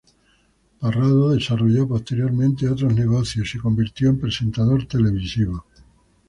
Parrado desarrolló posteriormente otros negocios y se convirtió en presentador televisivo.